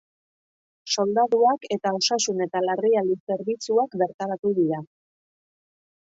Soldaduak eta osasun eta larrialdi zerbitzuak bertaratu dira.